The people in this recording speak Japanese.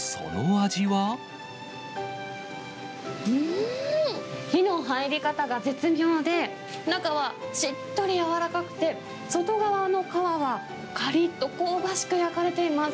うーん！火の入り方が絶妙で、中はしっとり柔らかくて、外側の皮はかりっと香ばしく焼かれています。